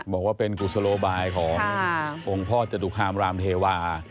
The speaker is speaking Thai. บอกว่าเป็นกุศโลบายขององค์พ่อจตุคามรามเทวา